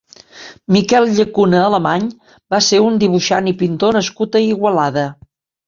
Miquel Llacuna Alemany va ser un dibuixant i pintor nascut a Igualada.